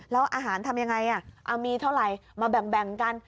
แล้วอาหารทำยังไงเอามีเท่าไหร่มาแบ่งกัน